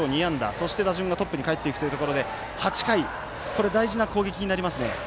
そして打順がトップにかえっていくというところで８回、大事な攻撃になりますね。